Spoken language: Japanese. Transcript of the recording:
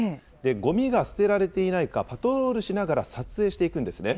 ごみが捨てられていないか、パトロールしながら撮影していくんですね。